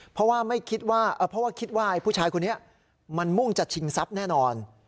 เพราะว่าคิดว่าผู้ชายคนนี้มันมุ่งจะชิงทรัพย์แน่นอน